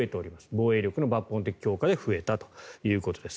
防衛力の抜本的強化で増えたということです。